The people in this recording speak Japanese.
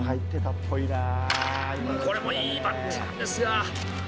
これもいいバッティングですが。